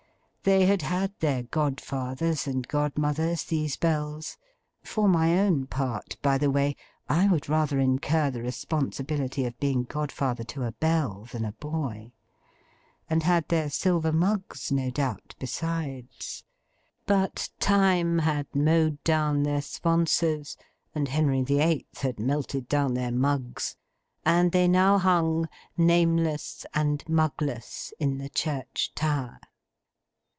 They had had their Godfathers and Godmothers, these Bells (for my own part, by the way, I would rather incur the responsibility of being Godfather to a Bell than a Boy), and had their silver mugs no doubt, besides. But Time had mowed down their sponsors, and Henry the Eighth had melted down their mugs; and they now hung, nameless and mugless, in the church tower.